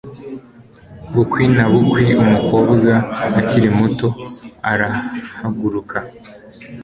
Bukwi na bukwi umukobwa akiri muto arahaguruka